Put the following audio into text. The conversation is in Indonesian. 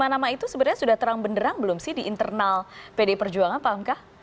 lima nama itu sebenarnya sudah terang benderang belum sih di internal pdi perjuangan pak hamka